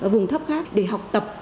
vùng thấp khác để học tập